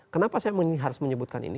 kenapa saya harus menyebutkan ini